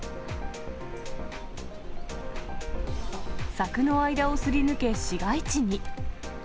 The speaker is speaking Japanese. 柵の間をすり抜け、市街地に。